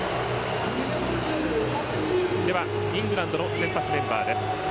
イングランドの先発メンバーです。